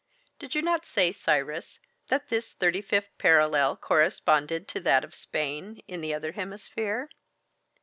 Did you not say, Cyrus, that this thirty fifth parallel corresponded to that of Spain in the other hemisphere?"